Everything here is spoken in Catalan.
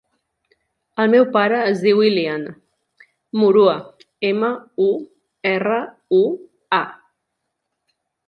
El meu pare es diu Ilyan Murua: ema, u, erra, u, a.